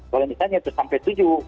kalau misalnya itu sampai tujuh